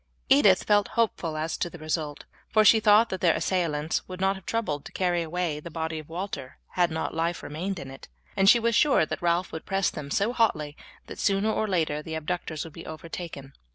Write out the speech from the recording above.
Edith felt hopeful as to the result, for she thought that their assailants would not have troubled to carry away the body of Walter had not life remained in it, and she was sure that Ralph would press them so hotly that sooner or later the abductors would be overtaken.